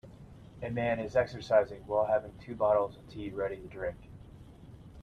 A man is exercising while having two bottles of tea ready to drink.